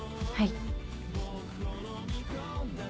はい。